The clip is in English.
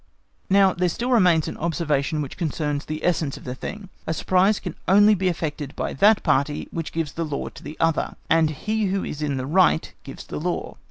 Now there still remains an observation which concerns the essence of the thing. A surprise can only be effected by that party which gives the law to the other; and he who is in the right gives the law.